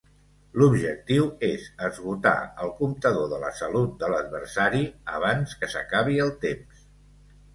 L’objectiu és esgotar el comptador de la salut de l’adversari abans que s’acabi el temps.